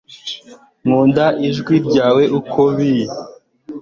Nkunda ijwi ryawe uko biri